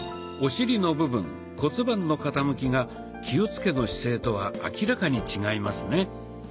お尻の部分骨盤の傾きが気をつけの姿勢とは明らかに違いますね。